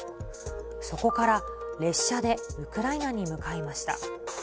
そこから列車でウクライナに向かいました。